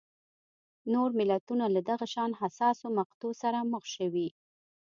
نور ملتونه له دغه شان حساسو مقطعو سره مخ شوي.